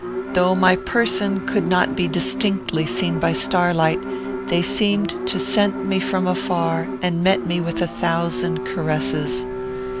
Though my person could not be distinctly seen by starlight, they seemed to scent me from afar, and met me with a thousand caresses.